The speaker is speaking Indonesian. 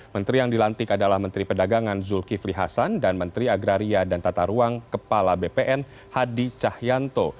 menteri yang dilantik adalah menteri pedagangan zulkifli hasan dan menteri agraria dan tata ruang kepala bpn hadi cahyanto